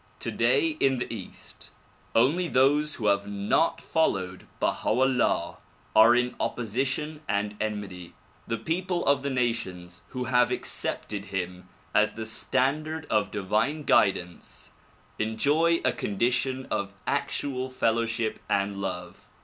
Today in the east, only those who have not followed Baha 'Ullah are in opposition and enmity. The people of the nations who have accepted him as the standard of divine guidance enjoy a condition of actual fellowship and love.